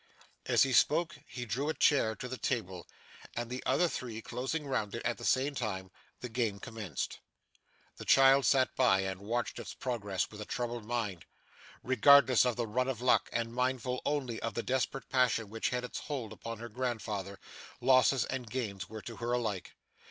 As he spoke he drew a chair to the table; and the other three closing round it at the same time, the game commenced. The child sat by, and watched its progress with a troubled mind. Regardless of the run of luck, and mindful only of the desperate passion which had its hold upon her grandfather, losses and gains were to her alike.